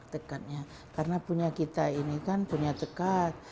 tekadnya karena kita ini kan punya tekad